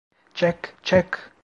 Çek, çek!